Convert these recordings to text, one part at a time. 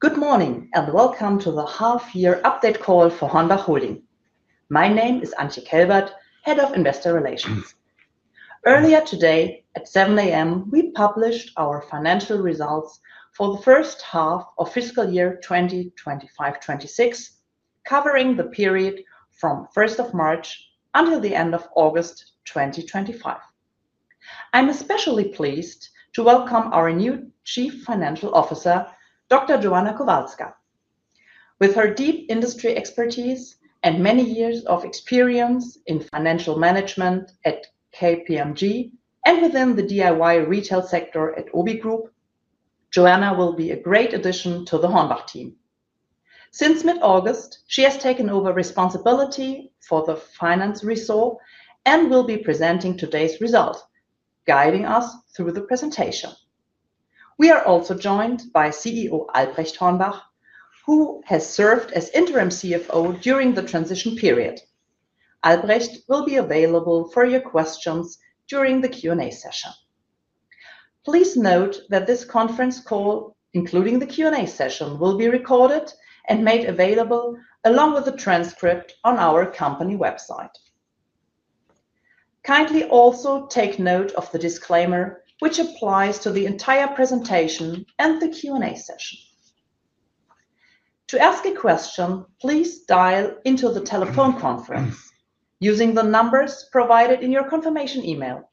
Good morning and welcome to the half-year update call for HORNBACH Holding AG & Co. KGaA. My name is Antje Kelbert, Head of Investor Relations. Earlier today at 7:00 A.M., we published our financial results for the first half of fiscal year 2025/2026, covering the period from March 1 until the end of August 2025. I'm especially pleased to welcome our new Chief Financial Officer, Dr. Joanna Kowalska. With her deep industry expertise and many years of experience in financial management at KPMG and within the DIY retail sector at OBI Group, Joanna will be a great addition to the HORNBACH team. Since mid-August, she has taken over responsibility for the Finance Resort and will be presenting today's results, guiding us through the presentation. We are also joined by CEO Albrecht Hornbach, who has served as Interim CFO during the transition period. Albrecht will be available for your questions during the Q&A session. Please note that this conference call, including the Q&A session, will be recorded and made available along with a transcript on our company website. Kindly also take note of the disclaimer, which applies to the entire presentation and the Q&A session. To ask a question, please dial into the telephone conference using the numbers provided in your confirmation email.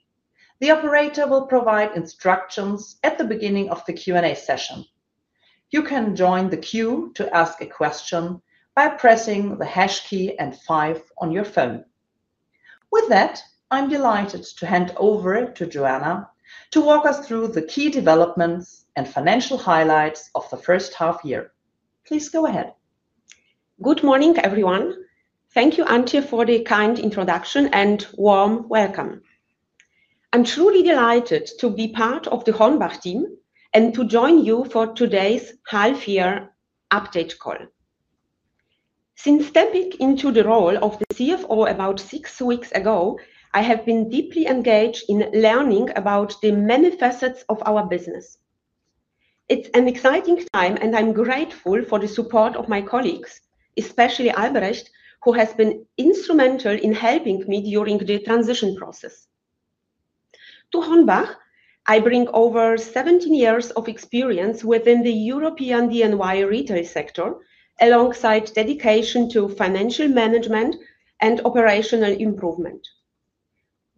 The operator will provide instructions at the beginning of the Q&A session. You can join the queue to ask a question by pressing the hash key and 5 on your phone. With that, I'm delighted to hand over to Joanna to walk us through the key developments and financial highlights of the first half year. Please go ahead. Good morning, everyone. Thank you, Antje, for the kind introduction and warm welcome. I'm truly delighted to be part of the HORNBACH team and to join you for today's half-year update call. Since stepping into the role of the CFO about six weeks ago, I have been deeply engaged in learning about the many facets of our business. It's an exciting time, and I'm grateful for the support of my colleagues, especially Albrecht, who has been instrumental in helping me during the transition process. To HORNBACH, I bring over 17 years of experience within the European DIY retail sector, alongside dedication to financial management and operational improvement.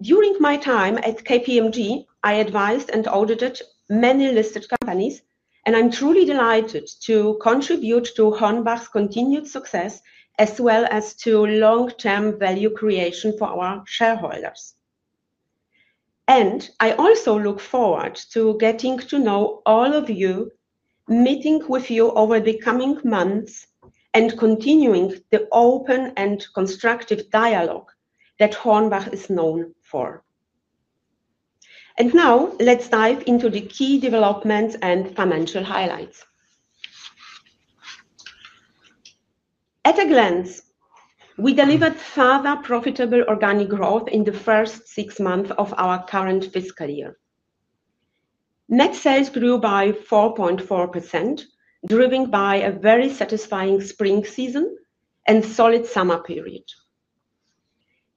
During my time at KPMG, I advised and audited many listed companies, and I'm truly delighted to contribute to HORNBACH's continued success as well as to long-term value creation for our shareholders. I also look forward to getting to know all of you, meeting with you over the coming months, and continuing the open and constructive dialogue that HORNBACH is known for. Now, let's dive into the key developments and financial highlights. At a glance, we delivered further profitable organic growth in the first six months of our current fiscal year. Net sales grew by 4.4%, driven by a very satisfying spring season and solid summer period.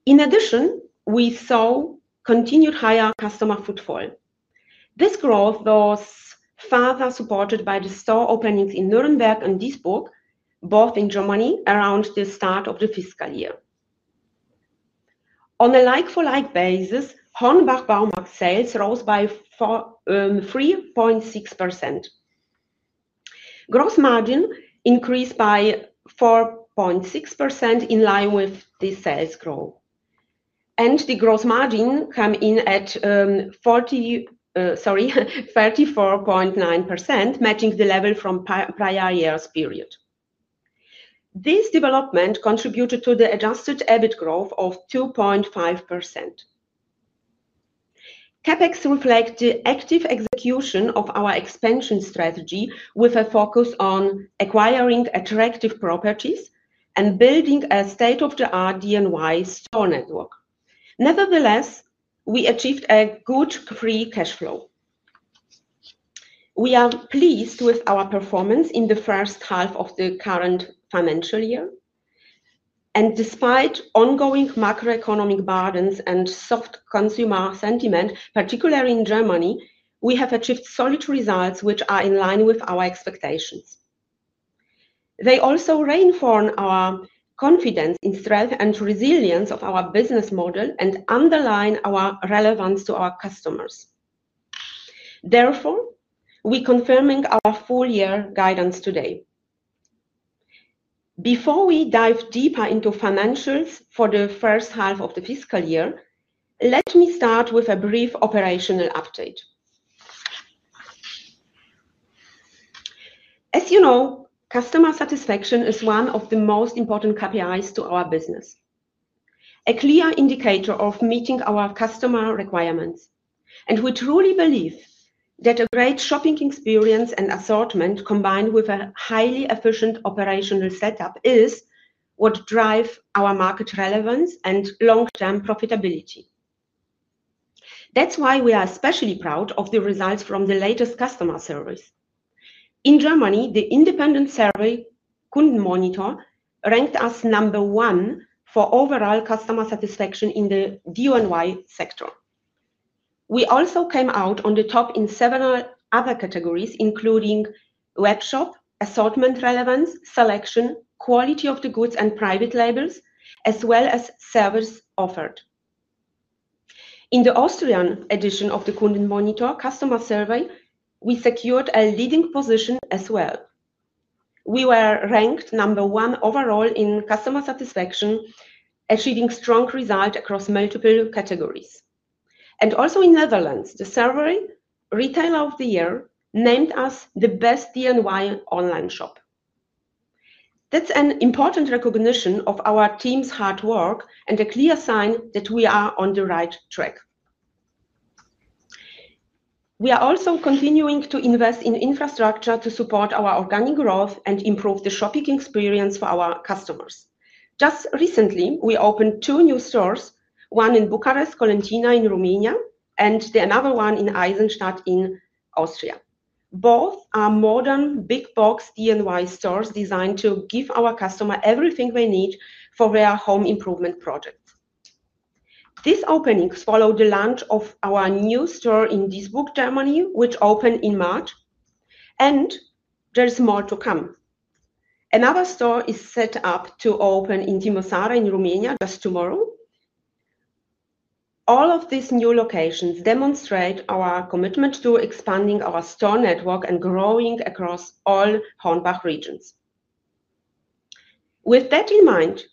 In addition, we saw continued higher customer footfall. This growth was further supported by the store openings in Nuremberg and Duisburg, both in Germany, around the start of the fiscal year. On a like-for-like basis, HORNBACH Baumarkt sales rose by 3.6%. Gross margin increased by 4.6% in line with the sales growth. The gross margin came in at 34.9%, matching the level from prior year's period. This development contributed to the adjusted EBIT growth of 2.5%. CapEx reflects the active execution of our expansion strategy with a focus on acquiring attractive properties and building a state-of-the-art DIY store network. Nevertheless, we achieved a good free cash flow. We are pleased with our performance in the first half of the current financial year. Despite ongoing macroeconomic burdens and soft consumer sentiment, particularly in Germany, we have achieved solid results, which are in line with our expectations. They also reinforce our confidence in the strength and resilience of our business model and underline our relevance to our customers. Therefore, we're confirming our full-year guidance today. Before we dive deeper into financials for the first half of the fiscal year, let me start with a brief operational update. As you know, customer satisfaction is one of the most important KPIs to our business, a clear indicator of meeting our customer requirements. We truly believe that a great shopping experience and assortment, combined with a highly efficient operational setup, is what drives our market relevance and long-term profitability. That's why we are especially proud of the results from the latest customer survey. In Germany, the independent survey Kundenmonitor ranked us number one for overall customer satisfaction in the DIY sector. We also came out on the top in several other categories, including web shop, assortment relevance, selection, quality of the goods, and private label, as well as service offered. In the Austrian edition of the Kundenmonitor customer survey, we secured a leading position as well. We were ranked number one overall in customer satisfaction, achieving strong results across multiple categories. Also in the Netherlands, the survey Retailer of the Year named us the best DIY online shop. That's an important recognition of our team's hard work and a clear sign that we are on the right track. We are also continuing to invest in infrastructure to support our organic growth and improve the shopping experience for our customers. Just recently, we opened two new stores: one in Bucharest (Colentina) in Romania, and another one in Eisenstadt in Austria. Both are modern, big-box DIY stores designed to give our customers everything they need for their home improvement projects. These openings follow the launch of our new store in Duisburg, Germany, which opened in March. There is more to come. Another store is set up to open in Timisoara in Romania just tomorrow. All of these new locations demonstrate our commitment to expanding our store network and growing across all HORNBACH regions. With that in mind,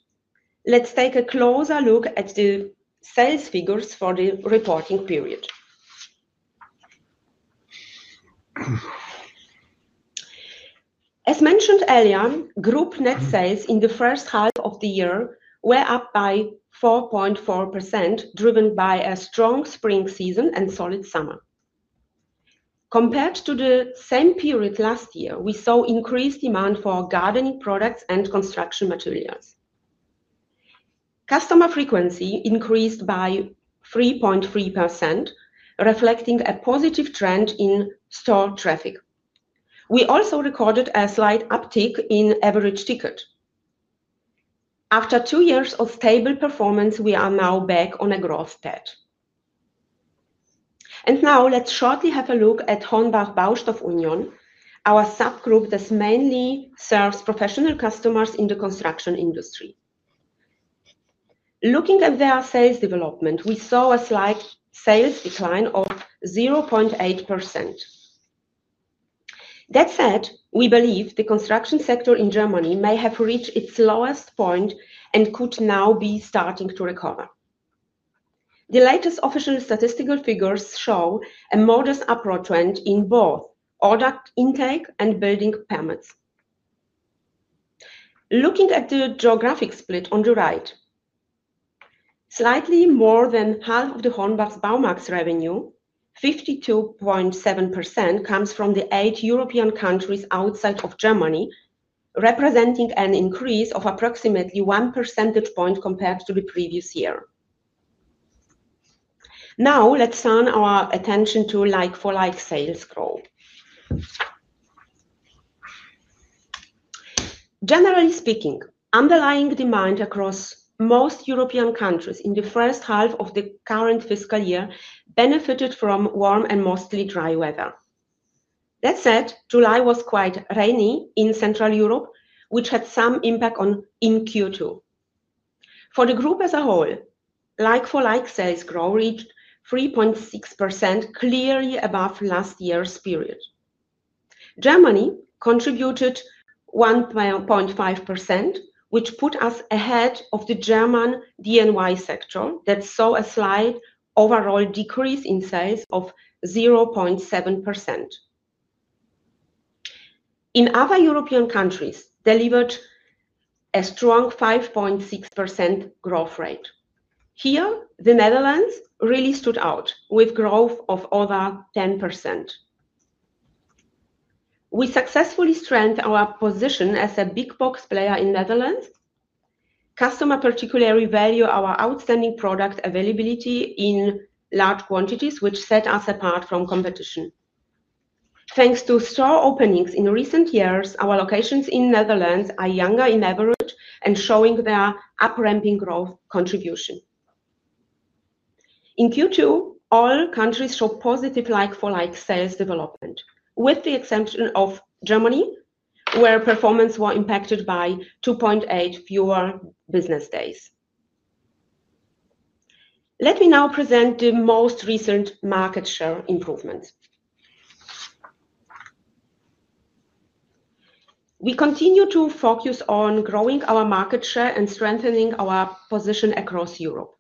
let's take a closer look at the sales figures for the reporting period. As mentioned earlier, group net sales in the first half of the year were up by 4.4%, driven by a strong spring season and solid summer. Compared to the same period last year, we saw increased demand for gardening products and construction materials. Customer frequency increased by 3.3%, reflecting a positive trend in store traffic. We also recorded a slight uptick in average tickets. After two years of stable performance, we are now back on a growth state. Now, let's shortly have a look at HORNBACH Baustoff Union, our subgroup that mainly serves professional customers in the construction industry. Looking at their sales development, we saw a slight sales decline of 0.8%. That said, we believe the construction sector in Germany may have reached its lowest point and could now be starting to recover. The latest official statistical figures show a modest upward trend in both order intake and building permits. Looking at the geographic split on the right, slightly more than half of HORNBACH Baumarkt's revenue, 52.7%, comes from the eight European countries outside of Germany, representing an increase of approximately one percentage point compared to the previous year. Now, let's turn our attention to like-for-like sales growth. Generally speaking, underlying demand across most European countries in the first half of the current fiscal year benefited from warm and mostly dry weather. That said, July was quite rainy in Central Europe, which had some impact on Q2. For the group as a whole, like-for-like sales growth reached 3.6%, clearly above last year's period. Germany contributed 1.5%, which put us ahead of the German DIY sector that saw a slight overall decrease in sales of 0.7%. In other European countries, it delivered a strong 5.6% growth rate. Here, the Netherlands really stood out, with growth of over 10%. We successfully strengthened our position as a big-box player in the Netherlands. Customers particularly value our outstanding product availability in large quantities, which set us apart from competition. Thanks to store openings in recent years, our locations in the Netherlands are younger on average and showing their up-amping growth contribution. In Q2, all countries showed positive like-for-like sales development, with the exception of Germany, where performance was impacted by 2.8 fewer business days. Let me now present the most recent market share improvements. We continue to focus on growing our market share and strengthening our position across Europe.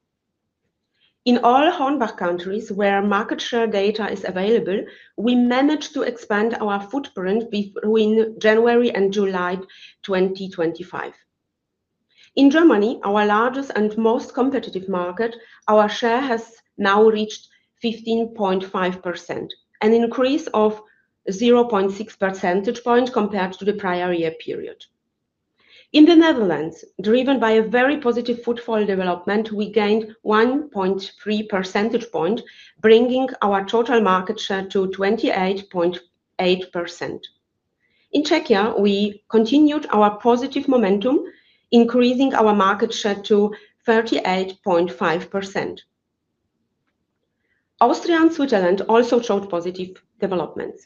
In all HORNBACH countries where market share data is available, we managed to expand our footprint between January and July 2025. In Germany, our largest and most competitive market, our share has now reached 15.5%, an increase of 0.6 percentage point compared to the prior year period. In the Netherlands, driven by a very positive footfall development, we gained 1.3 percentage points, bringing our total market share to 28.8%. In Czechia, we continued our positive momentum, increasing our market share to 38.5%. Austria and Switzerland also showed positive developments.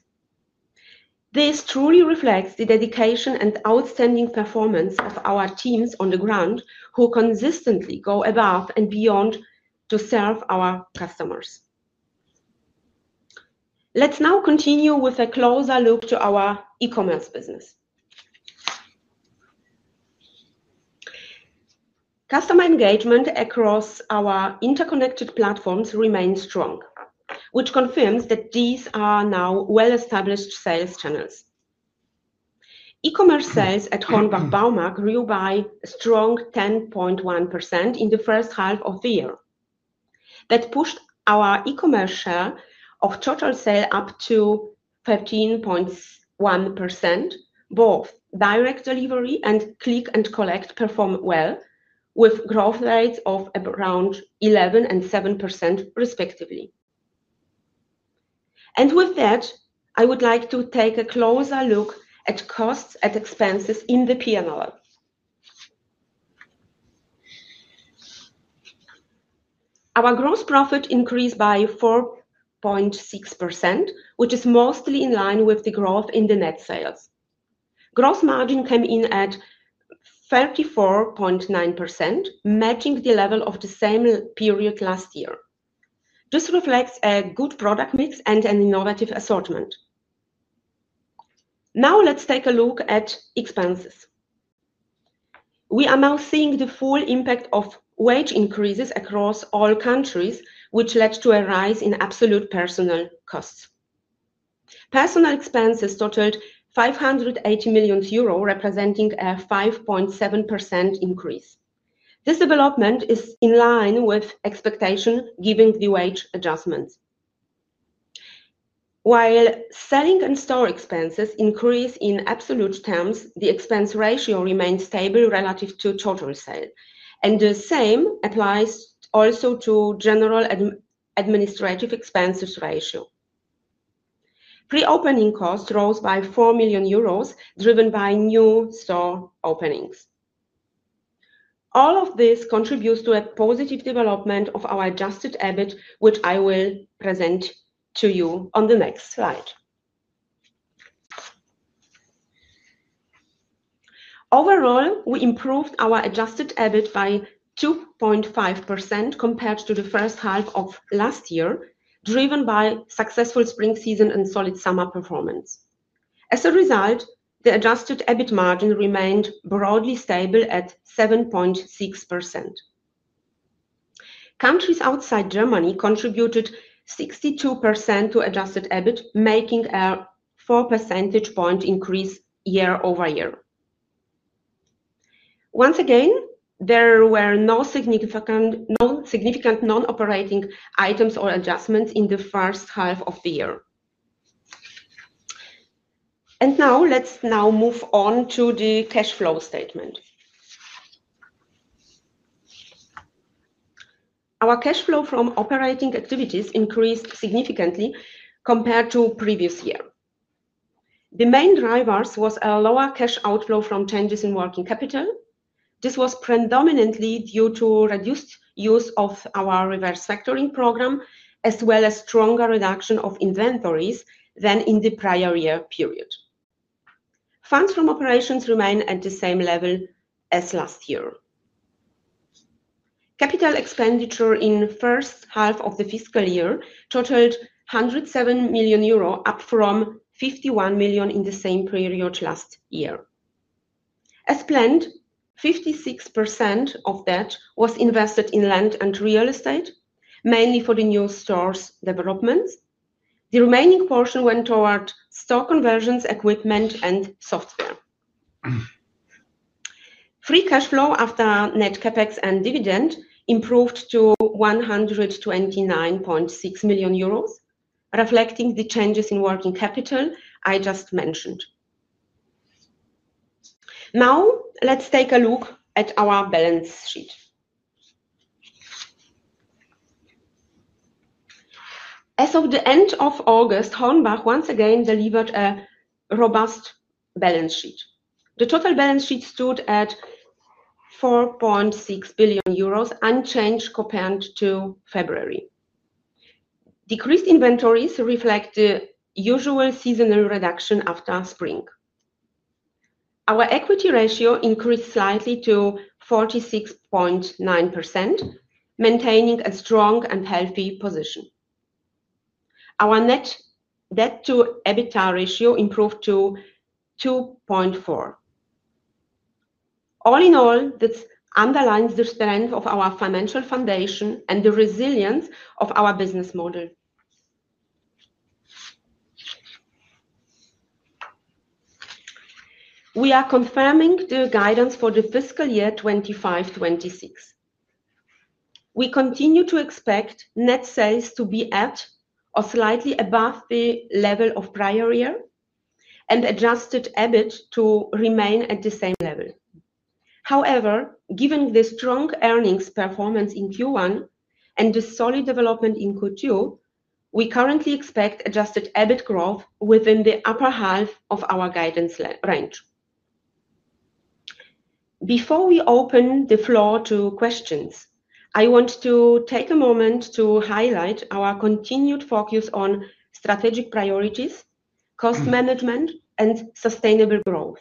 This truly reflects the dedication and outstanding performance of our teams on the ground, who consistently go above and beyond to serve our customers. Let's now continue with a closer look at our e-commerce business. Customer engagement across our interconnected platforms remains strong, which confirms that these are now well-established sales channels. E-commerce sales at HORNBACH Baumarkt AG grew by a strong 10.1% in the first half of the year. That pushed our e-commerce share of total sales up to 13.1%. Both direct delivery and click and collect performed well, with growth rates of around 11% and 7%, respectively. With that, I would like to take a closer look at costs and expenses in the P&L. Our gross profit increased by 4.6%, which is mostly in line with the growth in the net sales. Gross margin came in at 34.9%, matching the level of the same period last year. This reflects a good product mix and an innovative assortment. Now, let's take a look at expenses. We are now seeing the full impact of wage increases across all countries, which led to a rise in absolute personnel costs. Personnel expenses totaled €580 million, representing a 5.7% increase. This development is in line with expectations, given the wage adjustments. While selling and store expenses increased in absolute terms, the expense ratio remained stable relative to total sales. The same applies also to general administrative expenses ratio. Pre-opening costs rose by €4 million, driven by new store openings. All of this contributes to a positive development of our adjusted EBIT, which I will present to you on the next slide. Overall, we improved our adjusted EBIT by 2.5% compared to the first half of last year, driven by a successful spring season and solid summer performance. As a result, the adjusted EBIT margin remained broadly stable at 7.6%. Countries outside Germany contributed 62% to adjusted EBIT, making a 4 percentage point increase year over year. Once again, there were no significant non-operating items or adjustments in the first half of the year. Now, let's move on to the cash flow statement. Our cash flow from operating activities increased significantly compared to the previous year. The main driver was a lower cash outflow from changes in working capital. This was predominantly due to reduced use of our reverse factoring program, as well as a stronger reduction of inventories than in the prior year period. Funds from operations remain at the same level as last year. Capital expenditure in the first half of the fiscal year totaled €107 million, up from €51 million in the same period last year. As planned, 56% of that was invested in land and real estate, mainly for the new store developments. The remaining portion went toward store conversions, equipment, and software. Free cash flow after net CapEx and dividend improved to €129.6 million, reflecting the changes in working capital I just mentioned. Now, let's take a look at our balance sheet. As of the end of August, HORNBACH once again delivered a robust balance sheet. The total balance sheet stood at €4.6 billion, unchanged compared to February. Decreased inventories reflect the usual seasonal reduction after spring. Our equity ratio increased slightly to 46.9%, maintaining a strong and healthy position. Our net debt-to-EBITDA ratio improved to 2.4%. All in all, this underlines the strength of our financial foundation and the resilience of our business model. We are confirming the guidance for the fiscal year 2025/2026. We continue to expect net sales to be at or slightly above the level of the prior year and adjusted EBIT to remain at the same level. However, given the strong earnings performance in Q1 and the solid development in Q2, we currently expect adjusted EBIT growth within the upper half of our guidance range. Before we open the floor to questions, I want to take a moment to highlight our continued focus on strategic priorities, cost management, and sustainable growth.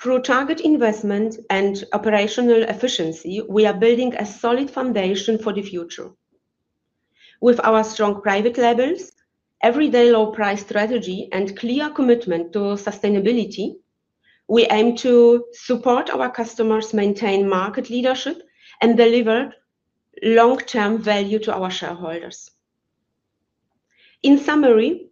Through target investments and operational efficiency, we are building a solid foundation for the future. With our strong private label, everyday low-price strategy, and clear commitment to sustainability, we aim to support our customers, maintain market leadership, and deliver long-term value to our shareholders. In summary,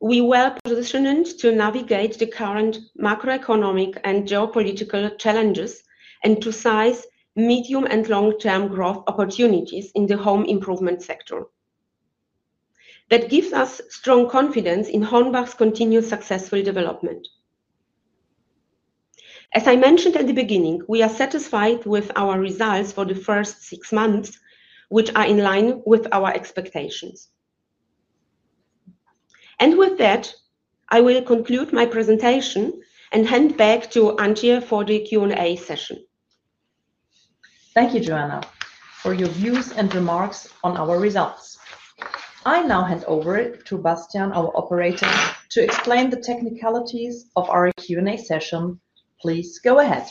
we are positioned to navigate the current macroeconomic and geopolitical challenges and to seize medium and long-term growth opportunities in the home improvement sector. That gives us strong confidence in HORNBACH's continued successful development. As I mentioned at the beginning, we are satisfied with our results for the first six months, which are in line with our expectations. With that, I will conclude my presentation and hand back to Antje for the Q&A session. Thank you, Joanna, for your views and remarks on our results. I now hand over to Bastian, our operator, to explain the technicalities of our Q&A session. Please go ahead.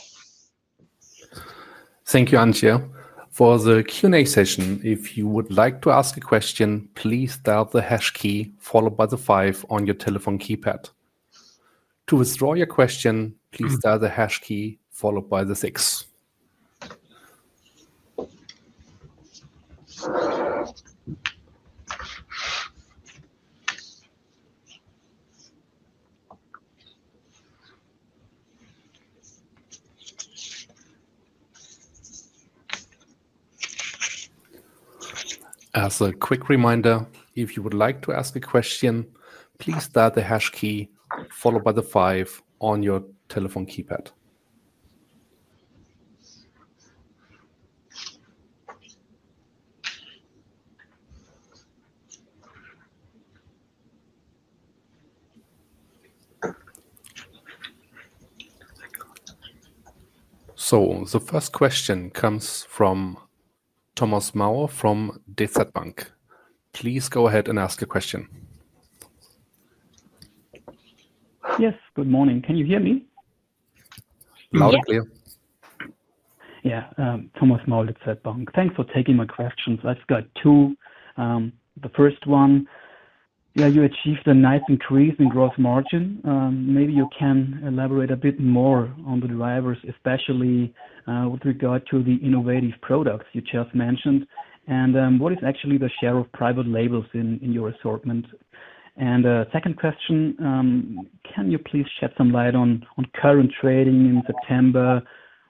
Thank you, Antje, for the Q&A session. If you would like to ask a question, please dial the hash key followed by the 5 on your telephone keypad. To withdraw your question, please dial the hash key followed by the 6. As a quick reminder, if you would like to ask a question, please dial the hash key followed by the 5 on your telephone keypad. The first question comes from Thomas Mauer from DZ Bank. Please go ahead and ask a question. Yes, good morning. Can you hear me? Loud and clear. Yeah, Thomas Mauer at DZ Bank. Thanks for taking my questions. I've got two. The first one, you achieved a nice increase in gross margin. Maybe you can elaborate a bit more on the drivers, especially with regard to the innovative products you just mentioned. What is actually the share of private label in your assortment? The second question, can you please shed some light on current trading in September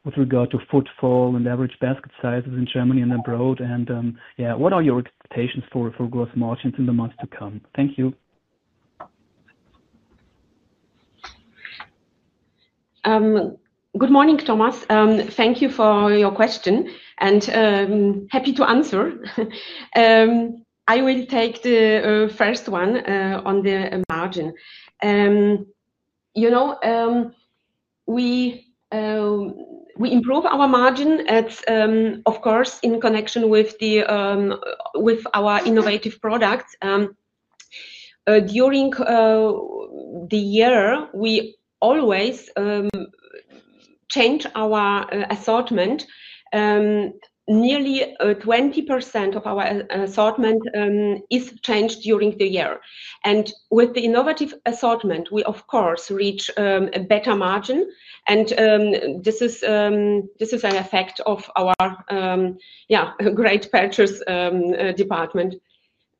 with regard to footfall and average basket sizes in Germany and abroad? What are your expectations for gross margins in the months to come? Thank you. Good morning, Thomas. Thank you for your question and happy to answer. I will take the first one on the margin. You know, we improve our margin at, of course, in connection with our innovative products. During the year, we always change our assortment. Nearly 20% of our assortment is changed during the year. With the innovative assortment, we, of course, reach a better margin. This is an effect of our great purchase department.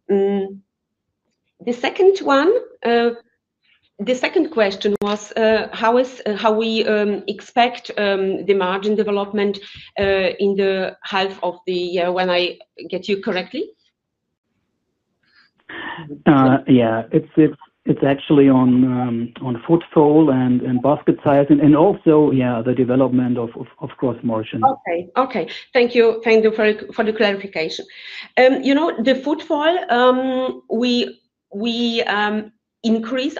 The second one, the second question was how we expect the margin development in the half of the year. When I get you correctly? Yeah, it's actually on footfall and basket size. Also, yeah, the development of gross margin. Okay, okay. Thank you. Thank you for the clarification. You know, the footfall, we increase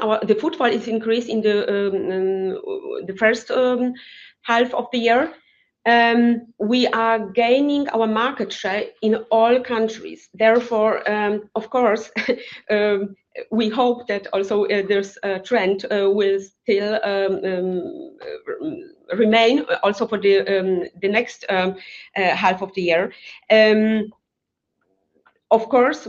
our footfall is increased in the first half of the year. We are gaining our market share in all countries. Therefore, of course, we hope that also this trend will still remain also for the next half of the year. Of course,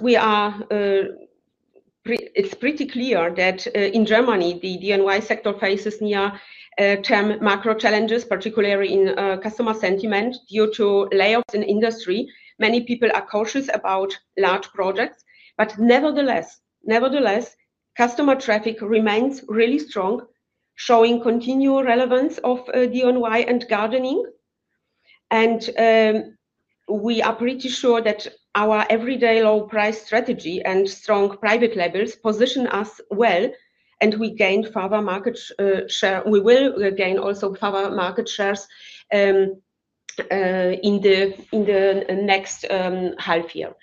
it's pretty clear that in Germany, the DIY sector faces near-term macro challenges, particularly in customer sentiment due to layoffs in industry. Many people are cautious about large projects. Nevertheless, customer traffic remains really strong, showing continual relevance of DIY and gardening. We are pretty sure that our everyday low-price strategy and strong private label position us well. We gain further market share. We will gain also further market shares in the next half year.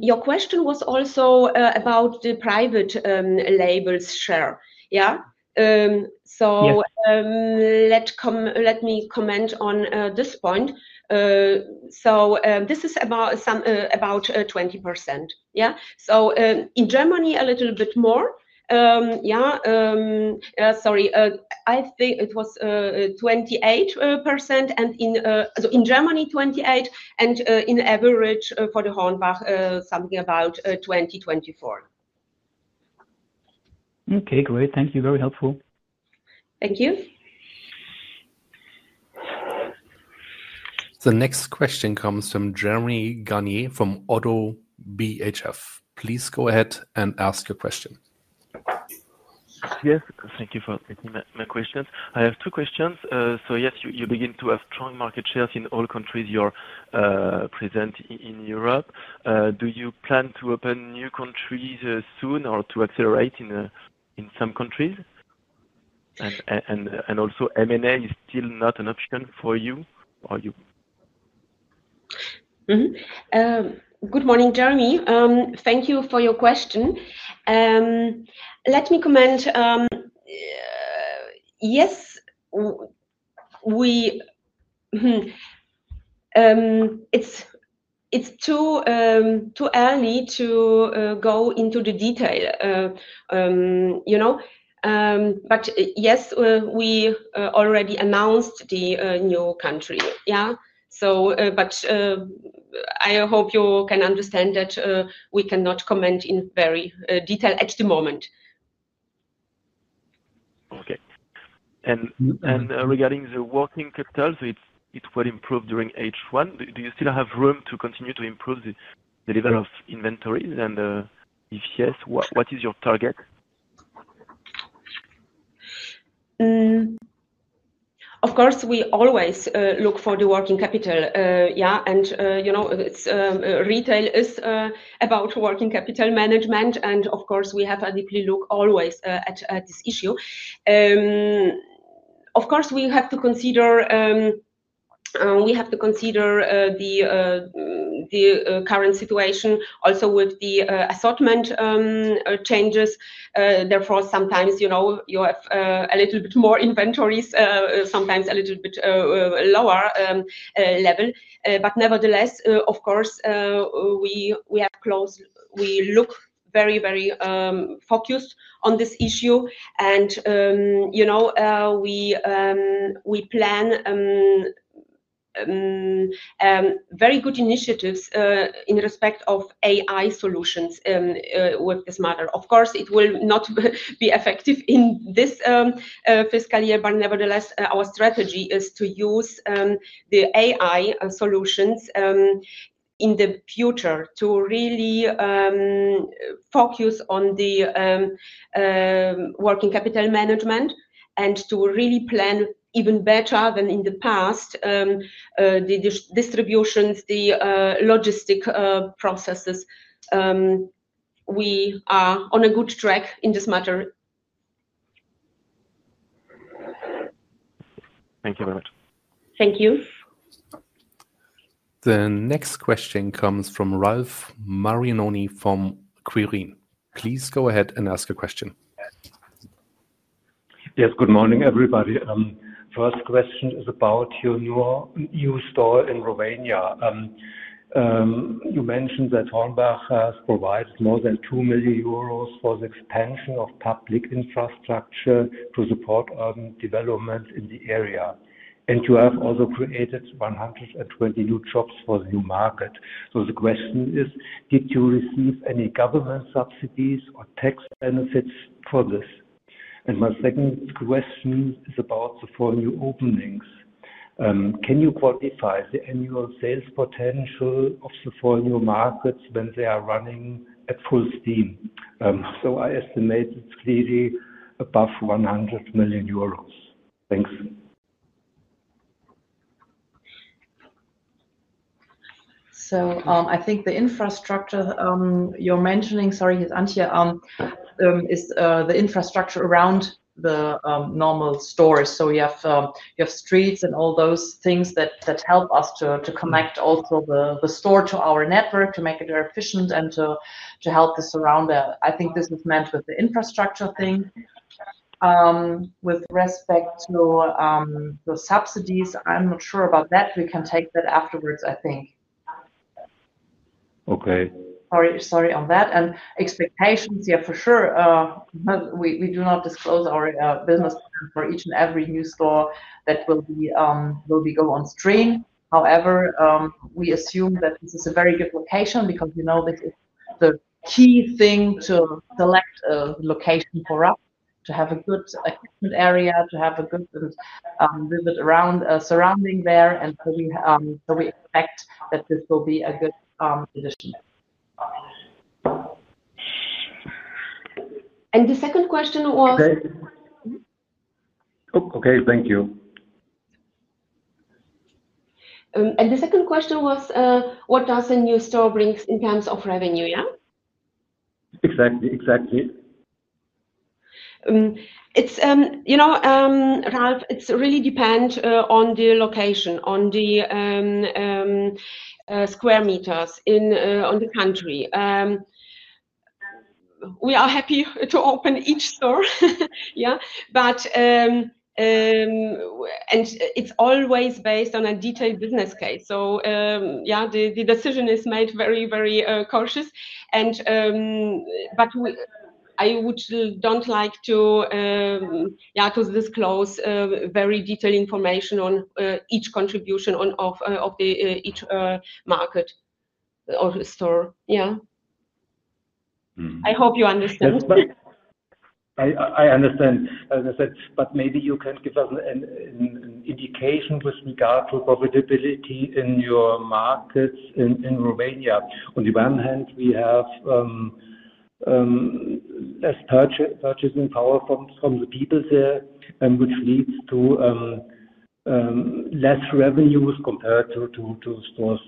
Your question was also about the private label share, yeah? Yes. Let me comment on this point. This is about 20%, yeah? In Germany, a little bit more. Sorry, I think it was 28%. In Germany, 28%. On average for HORNBACH, something about 20%, 24%. Okay, great. Thank you. Very helpful. Thank you. The next question comes from Jeremy Gagné from AutoBHF. Please go ahead and ask your question. Yes, thank you for taking my questions. I have two questions. You begin to have strong market shares in all countries you're present in Europe. Do you plan to open new countries soon or to accelerate in some countries? Also, M&A is still not an option for you. Good morning, Jeremy. Thank you for your question. Let me comment. Yes, it's too early to go into the detail. You know, yes, we already announced the new country, yeah? I hope you can understand that we cannot comment in very detail at the moment. Okay. Regarding the working capital, it will improve during H1. Do you still have room to continue to improve the level of inventories? If yes, what is your target? Of course, we always look for the working capital, yeah? You know, retail is about working capital management. Of course, we have a deeper look always at this issue. We have to consider the current situation also with the assortment changes. Therefore, sometimes you have a little bit more inventories, sometimes a little bit lower level. Nevertheless, we have closed, we look very, very focused on this issue. You know, we plan very good initiatives in respect of AI solutions with this matter. It will not be effective in this fiscal year. Nevertheless, our strategy is to use the AI solutions in the future to really focus on the working capital management and to really plan even better than in the past, the distributions, the logistic processes. We are on a good track in this matter. Thank you very much. Thank you. The next question comes from Ralph Marinoni from Quirin. Please go ahead and ask a question. Yes, good morning, everybody. First question is about your new store in Romania. You mentioned that HORNBACH has provided more than €2 million for the expansion of public infrastructure to support development in the area. You have also created 120 new jobs for the new market. The question is, did you receive any government subsidies or tax benefits for this? My second question is about the four new openings. Can you quantify the annual sales potential of the four new markets when they are running at full steam? I estimate it's clearly above €100 million. Thanks. I think the infrastructure you're mentioning, sorry, Antje, is the infrastructure around the normal stores. You have streets and all those things that help us to connect also the store to our network to make it more efficient and to help us around there. I think this is meant with the infrastructure thing. With respect to the subsidies, I'm not sure about that. We can take that afterwards, I think. Okay. Sorry on that. Expectations, yeah, for sure. We do not disclose our business for each and every new store that will be going on stream. However, we assume that this is a very good location because we know this is the key thing to select a location for us, to have a good equipment area, to have a good visit surrounding there. We expect that this will be a good initiative. The second question was. Okay. Thank you. The second question was, what does a new store bring in terms of revenue, yeah? Exactly, exactly. You know, Ralph, it really depends on the location, on the square meters in the country. We are happy to open each store, yeah? It's always based on a detailed business case. The decision is made very, very cautious. I would not like to disclose very detailed information on each contribution of each market or store, yeah? I hope you understand. I understand. Maybe you can give us an indication with regard to profitability in your markets in Romania. On the one hand, we have less purchasing power from the people there, which leads to less revenues compared to stores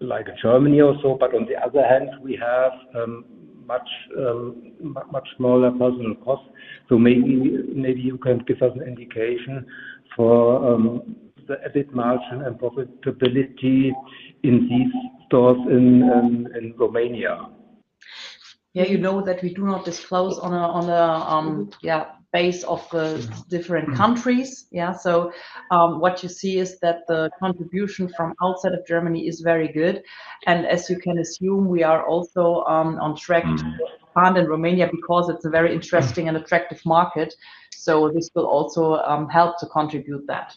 like Germany or so. On the other hand, we have much smaller personnel costs. Maybe you can give us an indication for the EBIT margin and profitability in these stores in Romania. You know that we do not disclose on a base of different countries, yeah? What you see is that the contribution from outside of Germany is very good. As you can assume, we are also on track to expand in Romania because it's a very interesting and attractive market. This will also help to contribute that.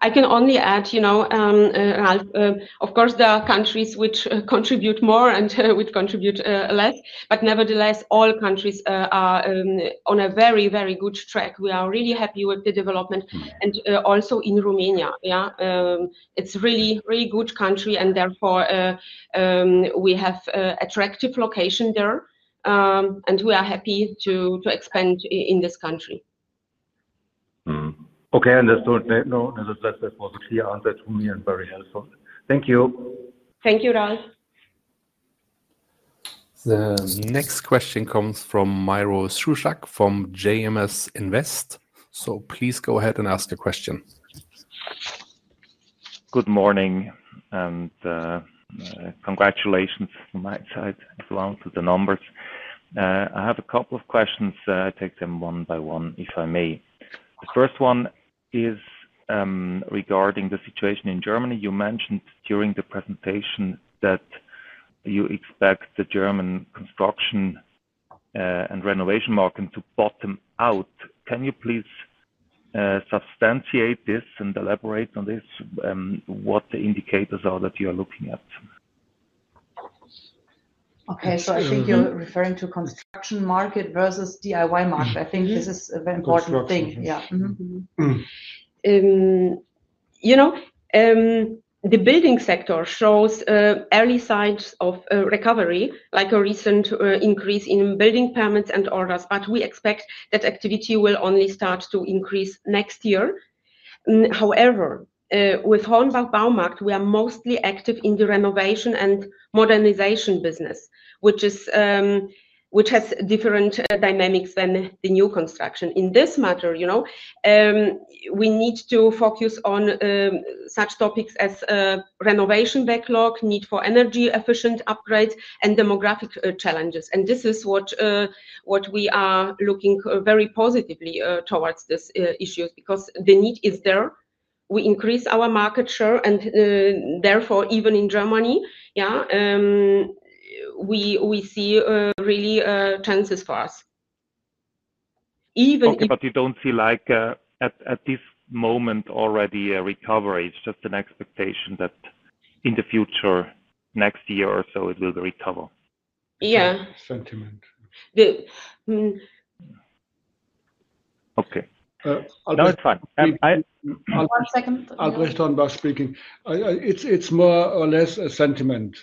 I can only add, you know, Ralph, of course, there are countries which contribute more and which contribute less. Nevertheless, all countries are on a very, very good track. We are really happy with the development. Also in Romania, yeah? It's a really, really good country. Therefore, we have an attractive location there. We are happy to expand in this country. Okay, understood. No, that was a clear answer to me and very helpful. Thank you. Thank you, Ralph. The next question comes from Myron Struzak from JMS Invest. Please go ahead and ask your question. Good morning. Congratulations from my side, as well, to the numbers. I have a couple of questions. I'll take them one by one, if I may. The first one is regarding the situation in Germany. You mentioned during the presentation that you expect the German construction and renovation market to bottom out. Can you please substantiate this and elaborate on this? What the indicators are that you are looking at? Okay, I think you're referring to the construction market versus DIY market. I think this is a very important thing. Construction, yes. Yeah. You know, the building sector shows early signs of recovery, like a recent increase in building permits and orders. We expect that activity will only start to increase next year. However, with HORNBACH Baumarkt, we are mostly active in the renovation and modernization business, which has different dynamics than new construction. In this matter, you know, we need to focus on such topics as renovation backlog, need for energy-efficient upgrades, and demographic challenges. This is what we are looking very positively towards, because the need is there. We increase our market share. Therefore, even in Germany, yeah, we see really chances for us. You don't see, like at this moment, already a recovery. It's just an expectation that in the future, next year or so, it will recover. Yeah. Sentiment. Okay, now it's fine. One second. It's more or less a sentiment,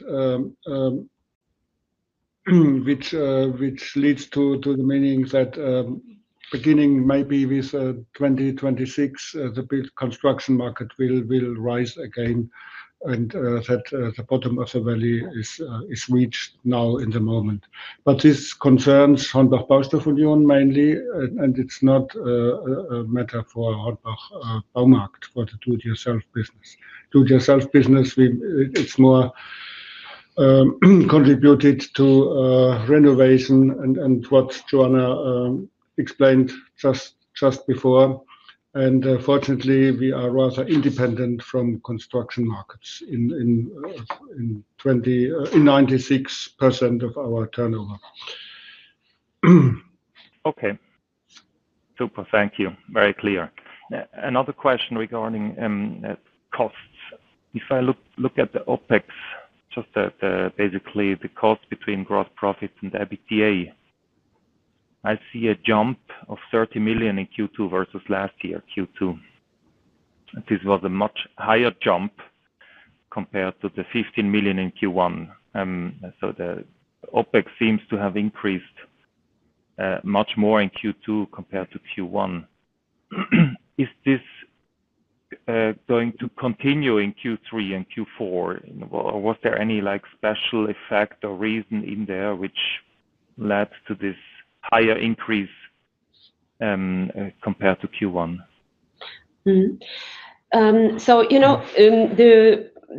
which leads to the meaning that beginning maybe with 2026, the construction market will rise again and that the bottom of the valley is reached now in the moment. This concerns HORNBACH Baustoff Union mainly. It's not a matter for HORNBACH Baumarkt, but the do-it-yourself business. Do-it-yourself business, it's more contributed to renovation and what Joanna explained just before. Fortunately, we are rather independent from construction markets in 96% of our turnover. Okay. Super. Thank you. Very clear. Another question regarding costs. If I look at the OpEx, just basically, the cost between gross profit and EBITDA, I see a jump of €30 million in Q2 versus last year Q2. This was a much higher jump compared to the €15 million in Q1. The OpEx seems to have increased much more in Q2 compared to Q1. Is this going to continue in Q3 and Q4? Was there any special effect or reason in there which led to this higher increase compared to Q1? The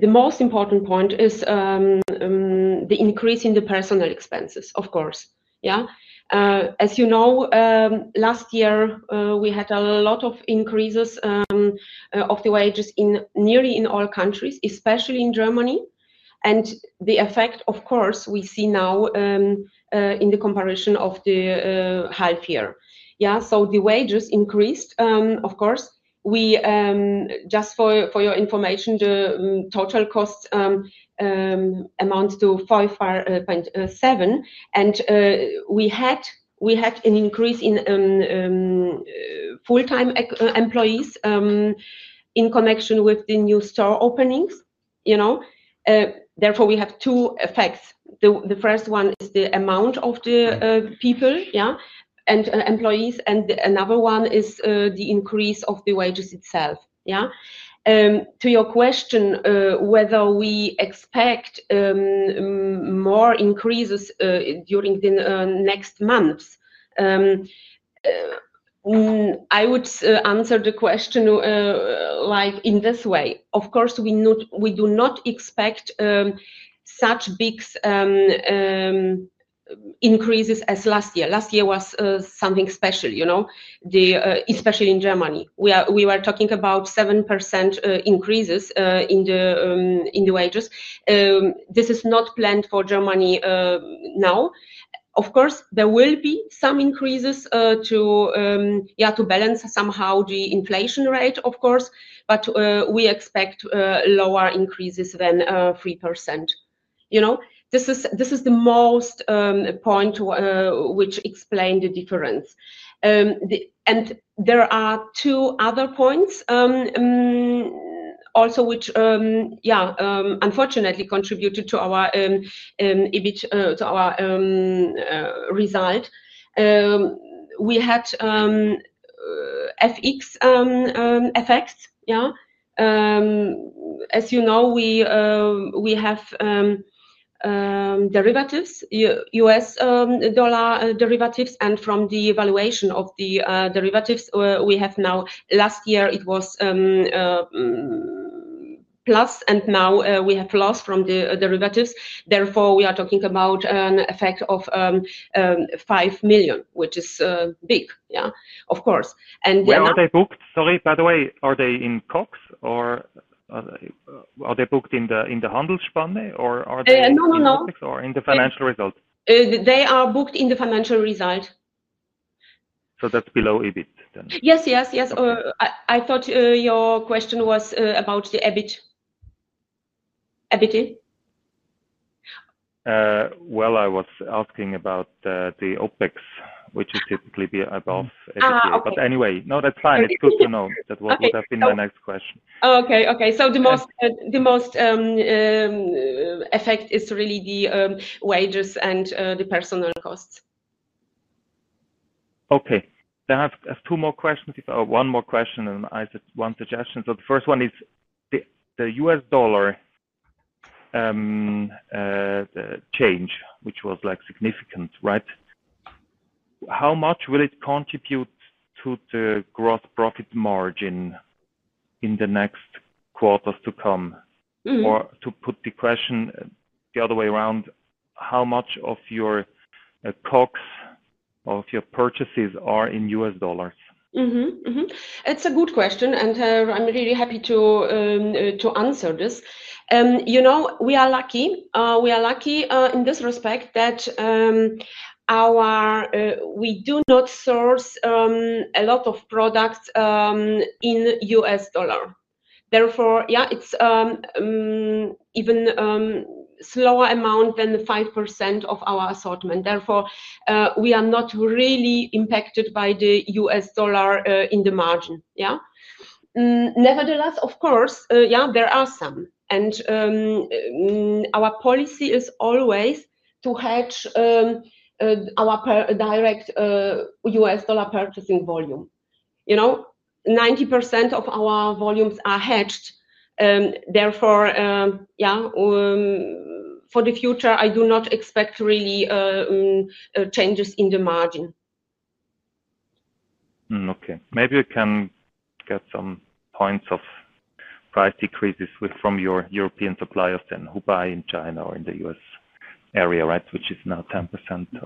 most important point is the increase in the personnel expenses, of course, yeah? As you know, last year, we had a lot of increases of the wages in nearly all countries, especially in Germany. The effect, of course, we see now in the comparison of the half year, yeah? The wages increased, of course. Just for your information, the total cost amounts to €5.7 million. We had an increase in full-time employees in connection with the new store openings. Therefore, we have two effects. The first one is the amount of the people, yeah, and employees. Another one is the increase of the wages itself, yeah? To your question, whether we expect more increases during the next months, I would answer the question like in this way. Of course, we do not expect such big increases as last year. Last year was something special, you know, especially in Germany. We were talking about 7% increases in the wages. This is not planned for Germany now. Of course, there will be some increases to, yeah, to balance somehow the inflation rate, of course. We expect lower increases than 3%. This is the most point which explains the difference. There are two other points also, which, yeah, unfortunately contributed to our result. We had FX effects, yeah? As you know, we have derivatives, U.S. dollar derivatives. From the evaluation of the derivatives, we have now, last year, it was plus, and now we have lost from the derivatives. Therefore, we are talking about an effect of €5 million, which is big, yeah, of course. Were they booked? Sorry, by the way, are they in COGS or are they booked in the gross margin or are they in the analytics or in the financial result? They are booked in the financial result. That's below EBIT then? Yes, yes, yes. I thought your question was about the EBIT. I was asking about the OpEx, which is typically above EBIT. Anyway, that's fine. It's good to know. That would have been my next question. Okay. Okay. The most effect is really the wages and the personnel expenses. Okay. I have two more questions, if one more question and one suggestion. The first one is the U.S. dollar change, which was significant, right? How much will it contribute to the gross profit margin in the next quarters to come? Or to put the question the other way around, how much of your COGS or of your purchases are in U.S. dollars? It's a good question. I'm really happy to answer this. You know, we are lucky in this respect that we do not source a lot of products in U.S. dollar. Therefore, it's an even slower amount than the 5% of our assortment. We are not really impacted by the U.S. dollar in the margin, yeah? Nevertheless, of course, there are some. Our policy is always to hedge our direct U.S. dollar purchasing volume. You know, 90% of our volumes are hedged. Therefore, for the future, I do not expect really changes in the margin. Okay. Maybe we can get some points of price decreases from your European suppliers, then, who buy in China or in the U.S. area, right, which is now 10%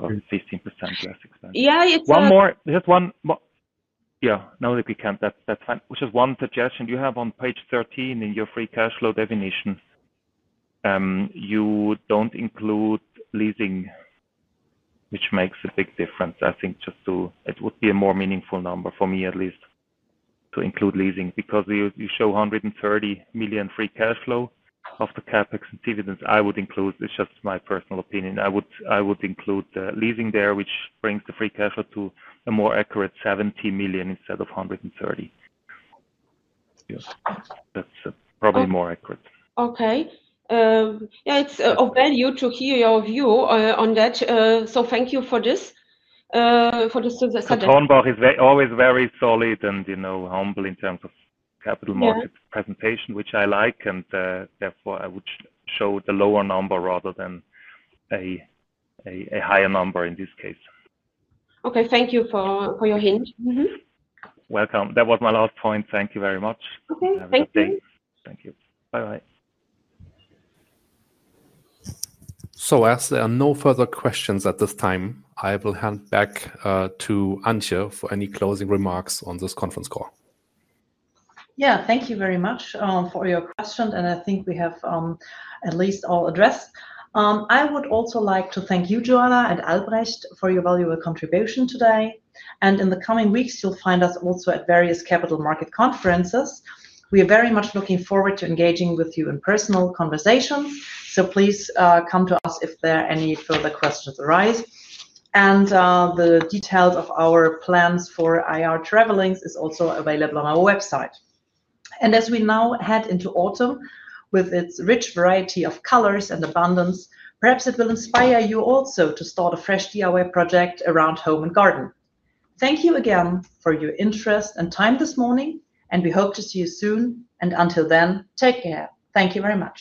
or 15% less expensive. Yeah, it's. One more. Just one more. Yeah, now that we can, that's fine. Which is one suggestion. You have on page 13 in your free cash flow definitions, you don't include leasing, which makes a big difference. I think just to, it would be a more meaningful number for me, at least, to include leasing because you show €130 million free cash flow after CapEx and dividends. I would include, it's just my personal opinion, I would include the leasing there, which brings the free cash flow to a more accurate €70 million instead of €130 million. Yes, that's probably more accurate. Okay, yeah, it's of value to hear your view on that. Thank you for this. HORNBACH is always very solid and humble in terms of capital market presentation, which I like. Therefore, I would show the lower number rather than a higher number in this case. Okay, thank you for your hint. Welcome. That was my last point. Thank you very much. Okay. Thank you. Thank you. Bye-bye. As there are no further questions at this time, I will hand back to Antje for any closing remarks on this conference call. Thank you very much for your questions. I think we have at least all addressed. I would also like to thank you, Joanna and Albrecht, for your valuable contribution today. In the coming weeks, you'll find us also at various capital market conferences. We are very much looking forward to engaging with you in personal conversations. Please come to us if there are any further questions that arise. The details of our plans for IR travelings are also available on our website. As we now head into autumn with its rich variety of colors and abundance, perhaps it will inspire you also to start a fresh DIY project around home and garden. Thank you again for your interest and time this morning. We hope to see you soon. Until then, take care. Thank you very much.